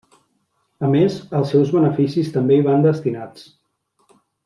A més, els seus beneficis també hi van destinats.